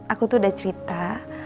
aku tuh udah cerita